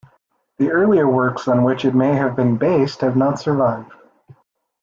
The earlier works on which it may have been based have not survived.